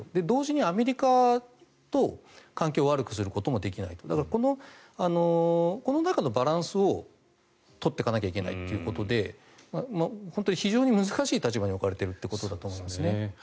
同時にアメリカと関係を悪くすることもできないとだから、この中のバランスを取っていかないといけないということで本当に非常に難しい立場に置かれているということですね。